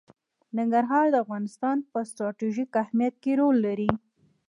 ننګرهار د افغانستان په ستراتیژیک اهمیت کې رول لري.